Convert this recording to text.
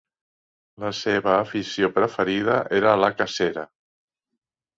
La seva afició preferida era la cacera.